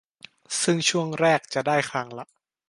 ซึ่งช่วงแรกจะได้ครั้งละ